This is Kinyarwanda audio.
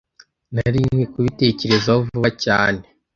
Nari nkwiye kubitekerezaho vuba cyane